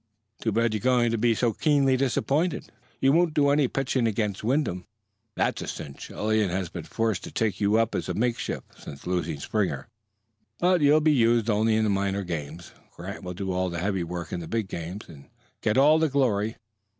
"Too bad you're going to be so keenly disappointed. You won't do any pitching against Wyndham, that's a cinch. Eliot has been forced to take you up as a makeshift since losing Springer, but you'll be used only in the minor games. Grant will do all the heavy work in the big games, and get all the glory.